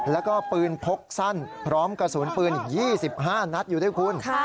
แล้วก็ปืนพกสั้นพร้อมกระสุนปืนอีก๒๕นัดอยู่ด้วยคุณ